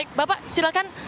baik bapak silakan